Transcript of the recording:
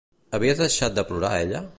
Havia deixat de plorar ella?